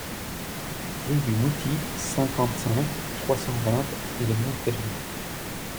Rue du Mouty, cinquante-cinq, trois cent vingt Les Monthairons